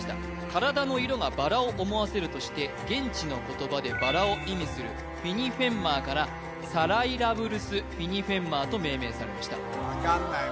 体の色がバラを思わせるとして現地の言葉でバラを意味するフィニフェンマーからサライラブルス・フィニフェンマーと命名されました分かんない